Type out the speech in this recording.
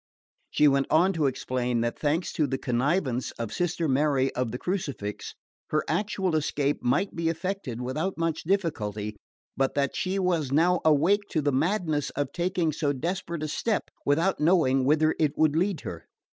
She went on to explain that, thanks to the connivance of Sister Mary of the Crucifix, her actual escape might be effected without much difficulty; but that she was now awake to the madness of taking so desperate a step without knowing whither it would lead her.